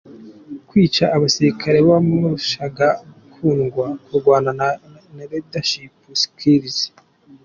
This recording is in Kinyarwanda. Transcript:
Kwica abasirikare bamurushaga gukundwa, kurwana na leadership skills